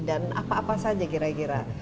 dan apa apa saja kira kira